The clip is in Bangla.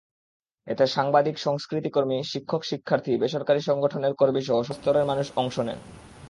এতে সাংবাদিক, সংস্কৃতিকর্মী, শিক্ষক-শিক্ষার্থী, বেসরকারি সংগঠনের কর্মীসহ সর্বস্তরের মানুষ অংশ নেন।